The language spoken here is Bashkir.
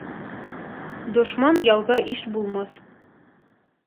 Дошман яуҙа иш булмаҫ.